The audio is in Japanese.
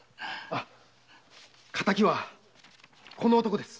敵はこの男です。